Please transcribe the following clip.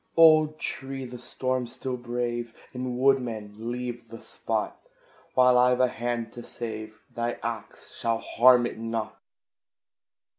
Old tree! the storm still brave! And, woodman, leave the spot; While I've a hand to save, thy axe shall harm it not.